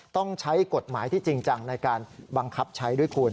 ต้องใช้กฎหมายที่จริงจังในการบังคับใช้ด้วยคุณ